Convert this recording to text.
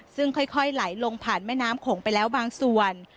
ซึ่งค่อยไหลลงผ่านแม่น้ำโขงไปแล้วบางส่วน